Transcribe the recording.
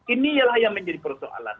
inilah yang menjadi persoalan